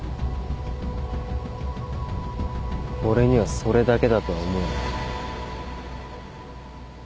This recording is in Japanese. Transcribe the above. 俺にはそれだけだとは思えない。